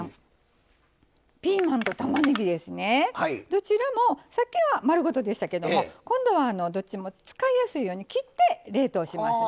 どちらもさっきは丸ごとでしたけども今度はどっちも使いやすいように切って冷凍しますね。